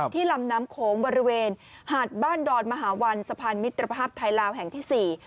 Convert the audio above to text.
ลำน้ำโขงบริเวณหาดบ้านดอนมหาวันสะพานมิตรภาพไทยลาวแห่งที่๔